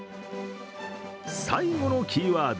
最後のキーワード